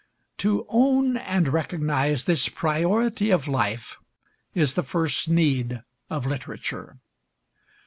To own and recognize this priority of life is the first need of literature.